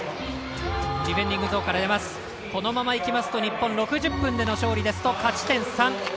このままいきますと日本６０分での勝利ですと勝ち点３。